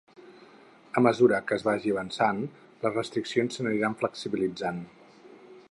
A mesura que es vagi avançant, les restriccions s’aniran flexibilitzant.